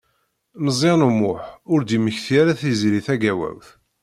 Meẓyan U Muḥ ur d-yemmekti ara Tiziri Tagawawt.